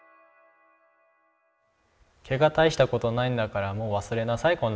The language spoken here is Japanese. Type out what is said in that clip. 「けが大したことないんだからもう忘れなさい